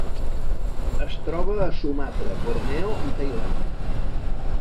Es troba a Sumatra, Borneo i Tailàndia.